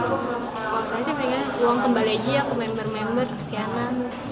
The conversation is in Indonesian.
kalau saya sih mendingan uang kembalai aja ke member member kesianan